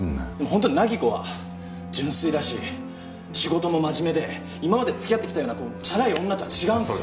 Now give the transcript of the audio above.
本当に凪子は純粋だし仕事も真面目で今まで付き合ってきたようなチャラい女とは違うんですよ。